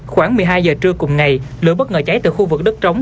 khoảng một mươi hai giờ trưa cùng ngày lửa bất ngờ cháy từ khu vực đất trống